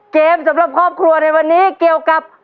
สำหรับครอบครัวในวันนี้เกี่ยวกับ